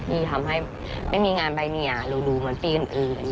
ที่ทำให้ไม่มีงานใบเมียหรูเหมือนปีอื่น